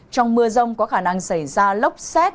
trong mưa rông có khả năng xảy ra lốc xét